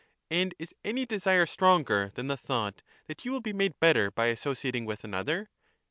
And is any desire stronger than the thought that you will be made better by associating with another?